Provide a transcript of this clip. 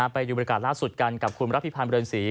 ไปดูบริการล่าสุดกันกับคุณรับพิพันธ์เรือนศรี